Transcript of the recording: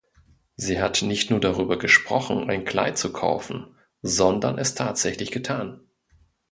Sie hat nicht nur darüber gesprochen, ein Kleid zu kaufen, sondern es tatsächlich getan.